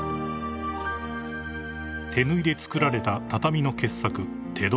［手縫いで作られた畳の傑作］